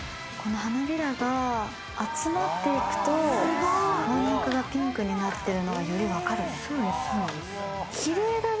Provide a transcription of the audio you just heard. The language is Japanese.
花びらが集まっていくと、真ん中がピンクになってるのがより分かるね。